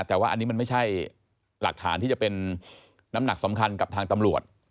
แต่ว่าอันนี้มันไม่ใช่หลักฐานที่จะเป็นน้ำหนักสำคัญกับทางตำรวจ